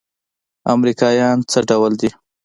امريکايان څه ډول دي.